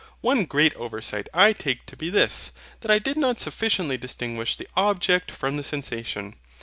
One great oversight I take to be this that I did not sufficiently distinguish the OBJECT from the SENSATION.